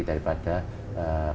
dari pada penerbangan